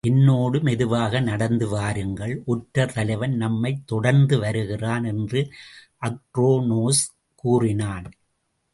என்னோடு, மெதுவாக நடந்து வாருங்கள் ஒற்றர் தலைவன் நம்மைத் தொடர்ந்து வருகிறான் என்று அக்ரோனோஸ் கூறினான்.